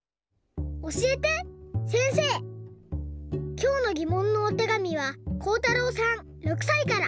きょうのぎもんのおてがみはこうたろうさん６さいから。